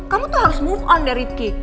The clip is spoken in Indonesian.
kamu tuh harus move on dari rifki